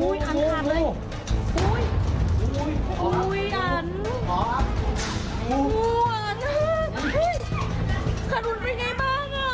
อุ้ยอันอุ้ยอันขนุนไปไงบ้างอ่ะ